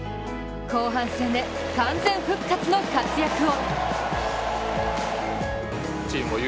後半戦で、完全復活の活躍を。